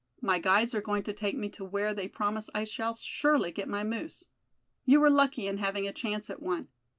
My guides are going to take me to where they promise I shall surely get my moose. You were lucky in having a chance at one.